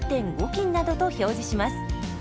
斤などと表示します。